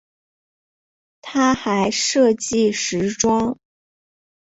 她还设计时装。